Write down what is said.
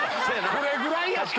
これぐらいやって！